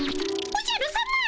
おじゃるさま！